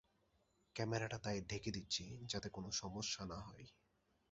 ক্যামেরাটা তাই ঢেকে দিচ্ছি, যাতে কোনো সমস্যা না হয়।